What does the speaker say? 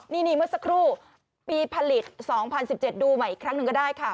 มันจะสกรู่ปีผลิต๒๐๑๗ดูใหม่อีกครั้งก็ได้ค่ะ